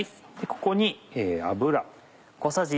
ここに油。